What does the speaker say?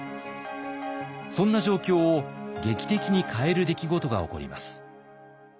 そんな状況を劇的に変える出来事が起こります。